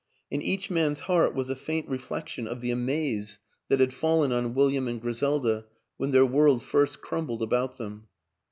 In each man's heart was a faint reflection of the amaze that had WILLIAM AN ENGLISHMAN 227 fallen on William and Griselda when their world first crumbled about them.